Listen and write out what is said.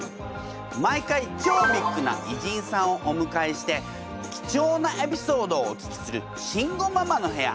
毎回超ビッグな偉人さんをおむかえして貴重なエピソードをお聞きする慎吾ママの部屋。